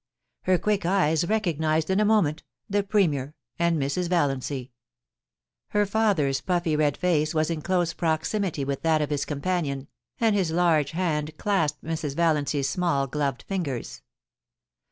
Her quick eyes recognised in a moment the Premier and Mrs. Valiancy. Her father's puffy red face was in close proximity with that of his companion, and his large hand clasped Mrs. Valiancy's small gloved fingers.